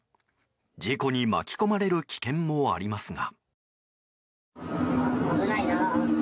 事故に巻き込まれる危険もありますが。